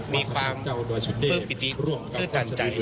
มีความพรึ่งประดิษฐ์พื้นการใจ